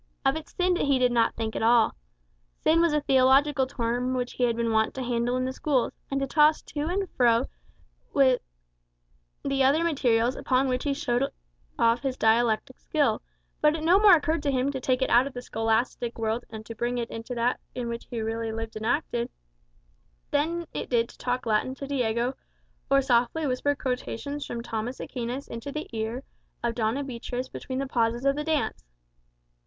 Of its sin he did not think at all. Sin was a theological term which he had been wont to handle in the schools, and to toss to and fro with the other materials upon which he showed off his dialectic skill; but it no more occurred to him to take it out of the scholastic world and to bring it into that in which he really lived and acted, than it did to talk Latin to Diego, or softly to whisper quotations from Thomas Aquinas into the ear of Doña Beatriz between the pauses of the dance.